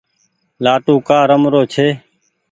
لآٽون ڪآ رمرو ڇي۔